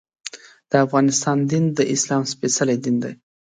د افغانستان دین د اسلام سپېڅلی دین دی.